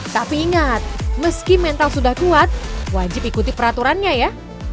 tapi ingat meski mental sudah kuat wajib ikuti peraturannya ya